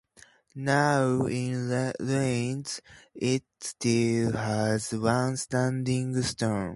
Now in ruins, it still has one standing stone.